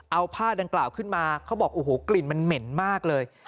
เอาผ้าดังกล่าวขึ้นมาเขาบอกโอ้โหกลิ่นมันเหม็นมากเลย